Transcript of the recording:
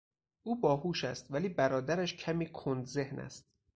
او باهوش است ولی برادرش کمی کند ذهن است.